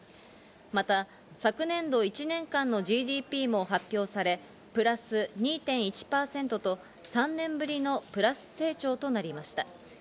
また昨年度一年間のＧＤＰも発表され、プラス２．１％と、３年ぶりのプラス成長となりました。